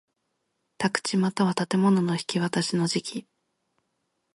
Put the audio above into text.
宅地又は建物の引渡しの時期